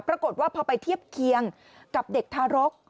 ปรากฏว่าพอไปเทียบเคียงกับเด็กทารก